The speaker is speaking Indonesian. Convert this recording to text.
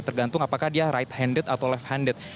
tergantung apakah dia right handed atau life handed